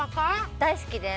大好きです。